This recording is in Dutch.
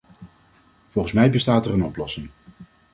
Volgens mij bestaat er een oplossing.